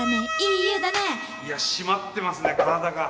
いや締まってますね体が。